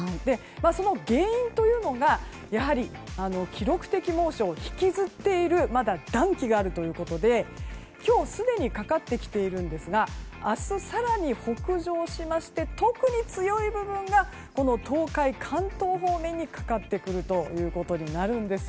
その原因というのがやはり記録的猛暑を引きずっている暖気があるということで、今日すでにかかってきているんですが明日、更に北上しまして特に強い部分がこの東海・関東方面にかかってくるということになるんですよ。